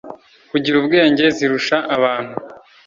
kugira ubwenge zirusha abantu